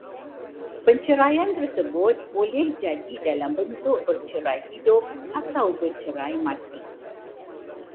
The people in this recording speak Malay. Perceraian tersebut boleh jadi dalam bentuk bercerai hidup atau bercerai mati